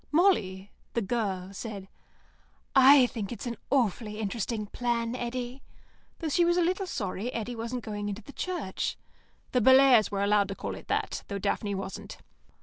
Molly (the girl) said, "I think it's an awfully interesting plan, Eddy," though she was a little sorry Eddy wasn't going into the Church. (The Bellairs were allowed to call it that, though Daphne wasn't.)